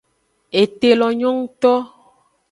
Ete lo nyo ngto.